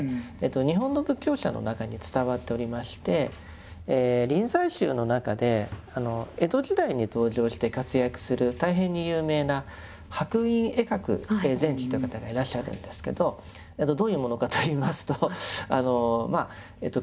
日本の仏教者の中に伝わっておりまして臨済宗の中で江戸時代に登場して活躍する大変に有名な白隠慧鶴禅師という方がいらっしゃるんですけどどういうものかといいますとあのまあ教説としてはですね